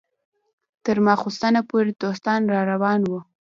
تر ماخستنه پورې دوستان راروان وو.